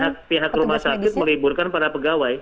iya pihak rumah sakit meliburkan pada pegawai